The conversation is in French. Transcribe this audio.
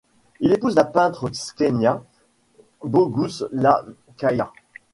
Il épouse la peintre Ksenia Bogouslavskaïa.